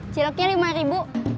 ciloknya rp lima